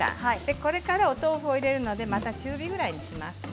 これから、お豆腐を入れるのでまた中火くらいにしますね。